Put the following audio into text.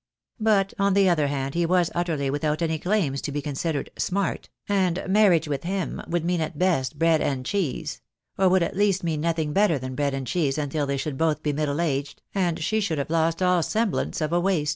But on the other hand he was utterly without any claims to be considered "smart," and marriage with him would mean at best bread and cheese — or would at least mean nothing better than bread and cheese until they should both be middle aged, and she should have lost all sem blance of a waist.